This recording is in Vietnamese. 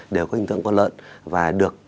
đều có hình tượng con lợn và được